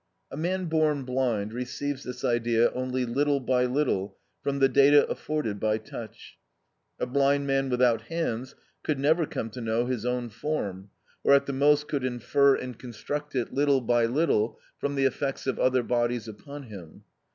A man born blind receives this idea only little by little from the data afforded by touch. A blind man without hands could never come to know his own form; or at the most could infer and construct it little by little from the effects of other bodies upon him.